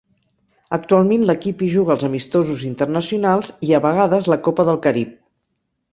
Actualment l'equip hi juga els amistosos internacionals i, a vegades, la Copa del Carib.